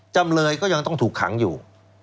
จำเลยก็ยังต้องถูกขังอยู่